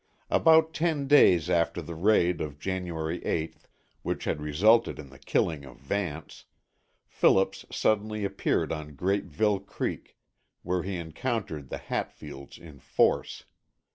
About ten days after the raid of January 8th, which had resulted in the killing of Vance, Phillips suddenly appeared on Grapeville Creek, where he encountered the Hatfields in force.